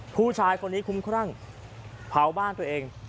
ผู้ชายคนนี้คุ้มครั่งเผาบ้านตัวเอง